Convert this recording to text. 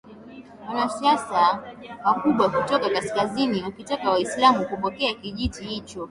wanasiasa wakubwa kutoka kaskazini wakitaka mwislamu kupokea kijiti hicho